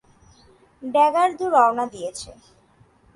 Dagger two, রওনা দিয়েছে।